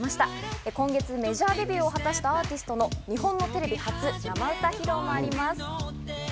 今月、メジャーデビューを果たしたアーティストの日本のテレビ初生歌披露もあります。